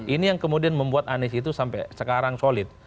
ini yang kemudian membuat anies itu sampai sekarang solid